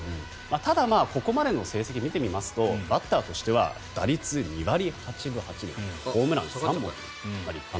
ただ、ここまでの成績を見てみますとバッターとしては打率２割８分８厘ホームラン３本立派な。